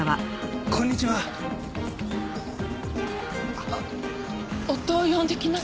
あっ夫を呼んできます。